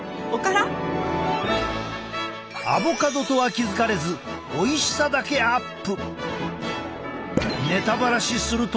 アボカドとは気付かれずおいしさだけアップ！